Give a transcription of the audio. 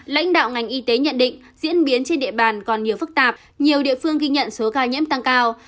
lãnh đạo ngành y tế nhận định diễn biến trên địa bàn còn nhiều phức tạp nhiều địa phương ghi nhận số ca nhiễm tăng cao